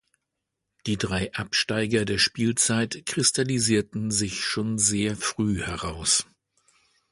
Die drei Absteiger der Spielzeit kristallisierten sich schon sehr früh heraus.